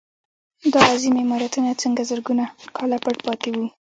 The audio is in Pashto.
دا عظیم عمارتونه څنګه زرګونه کاله پټ پاتې وو.